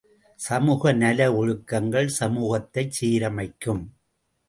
சமூக நல ஒழுக்கங்கள் சமூகத்தைச் சீரமைக்கும்.